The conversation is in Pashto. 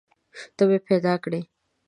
ته مې پیدا کړي